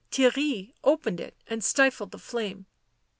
Theirry opened it and stifled the flame.